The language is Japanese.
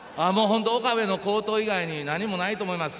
岡部の好投以外に何もないと思います。